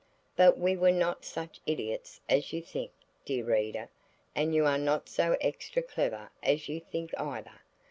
But we were not such idiots as you think, dear reader, and you are not so extra clever as you think either.